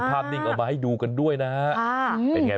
ภาพนิ่งเอามาให้ดูกันด้วยนะ